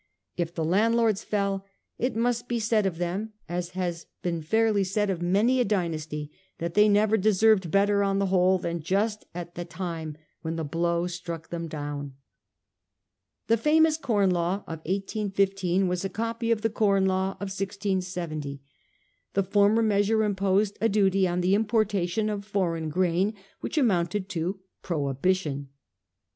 If the landlords fell, it must be said of them, as has been fairly said of many a dynasty, that they never deserved better on the whole than just at the time when the blow struck them down. The famous Corn Law of 1815 was a copy of the Com Law of 1670. The former measure imposed a duty on the importation of foreign grain which amounted to prohibition.